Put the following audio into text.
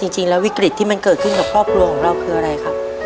จริงแล้ววิกฤตที่มันเกิดขึ้นกับพ่อครัวของเราคืออะไรครับ